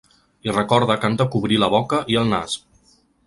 I recorda que han de cobrir la boca i el nas.